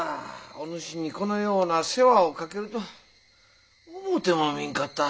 お主にこのような世話をかけるとは思うてもみんかった。